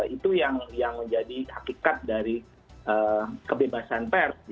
itu yang menjadi hakikat dari kebebasan pers